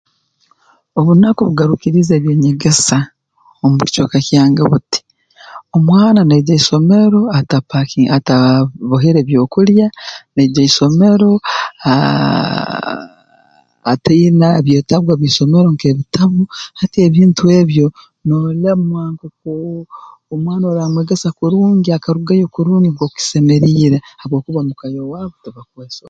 Obunaku bugarukiriize eby'enyegesa omu kicweka kyange buti omwana naija ha isomero atapaki atabohere byokulya naija ha isomero aaah ataina byetagwa b'isomero nk'ebitabu hati ebintu ebyo noolemwa nkooku omwana aramwegesa kurungi akarugayo kurungi nk'oku kisemeriire habwokuba mu ka y'owaabu tibakweso